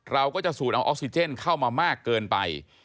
เราก็จะสูดเอาออกซิเจนเข้ามามากเกินไป